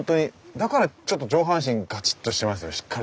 だからちょっと上半身ガチッとしてますねしっかりと。